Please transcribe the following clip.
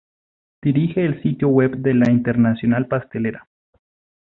Dirige el sitio web de la Internacional Pastelera.